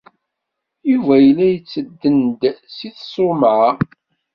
Yuba yella yettedden-d seg tṣumɛa.